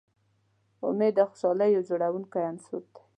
امید د خوشحالۍ یو جوړوونکی عنصر دی.